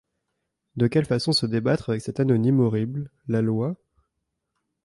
De quelle façon se débattre avec cet anonyme horrible, la loi?